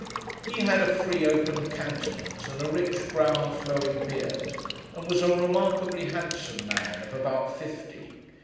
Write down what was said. He had a free, open countenance; and a rich brown, flowing beard; and was a remarkably handsome man, of about fifty.